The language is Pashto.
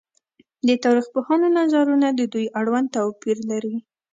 د تاريخ پوهانو نظرونه د دوی اړوند توپير لري